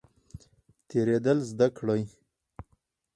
تیریدل زده کړئ